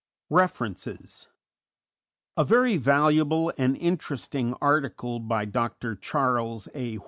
REFERENCES _A very valuable and interesting article by Dr. Charles A.